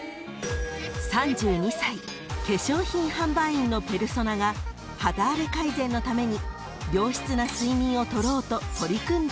［３２歳化粧品販売員のペルソナが肌荒れ改善のために良質な睡眠を取ろうと取り組んだ行動］